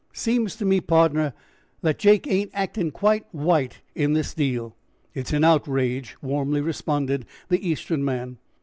"Seems to me, pardner, that Jake ain't actin' quite white in this deal." "It's an outrage," warmly responded the Eastern man.